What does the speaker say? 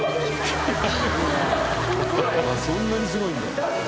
そんなにすごいんだ。